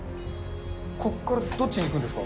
こっからどっちに行くんですか。